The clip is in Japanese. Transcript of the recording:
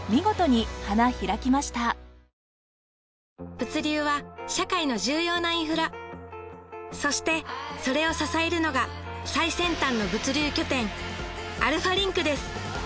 物流は社会の重要なインフラそしてそれを支えるのが最先端の物流拠点アルファリンクです